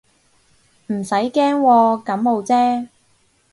唔使驚喎，感冒啫